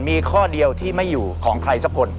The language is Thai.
มีข้อเดียวที่ไม่อยู่ของใครสักคน